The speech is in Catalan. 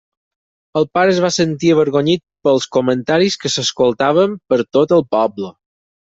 El pare es va sentir avergonyit pels comentaris que s'escoltaven per tot el poble.